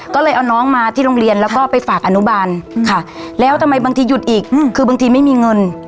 ก็เลยเอาน้องมาที่โรงเรียนแล้วก็ไปฝากอนุบาลค่ะแล้วทำไมบางทีหยุดอีกคือบางทีไม่มีเงิน